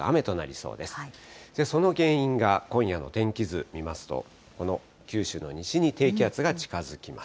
その原因が今夜の天気図見ますと、この九州の西に低気圧が近づきます。